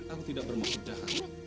aku tidak bermaksud dah